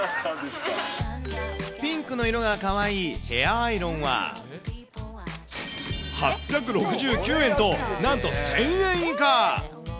ピンクの色がかわいいヘアアイロンは８６９円と、なんと１０００円以下。